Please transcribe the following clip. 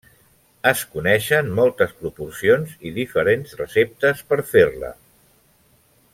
Es coneixen moltes proporcions i diferents receptes per fer-la.